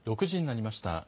６時になりました。